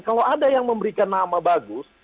kalau ada yang memberikan nama bagus